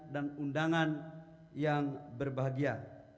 dan undangan yang berbahagia